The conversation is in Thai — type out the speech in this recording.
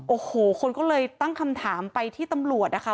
โอ้โหคนก็เลยตั้งคำถามไปที่ตำรวจนะคะ